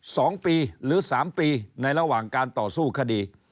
สองปีหรือสามปีในระหว่างการต่อสู้คดี